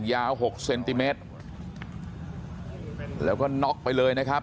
หกเซนติเมตรแล้วก็น็อกไปเลยนะครับ